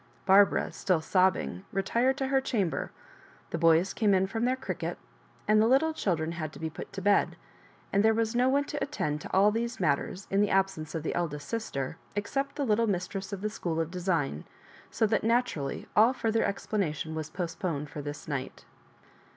Barbara, still sobbing, retired to her chamber; the boys came in from their cricket^ and the little children had to be put to bed; and there was no one to attend to all these matters, in the absence of the eldest sister, except the little mistress of the school of design, so that naturally all fUrther explanation was postponed for this night.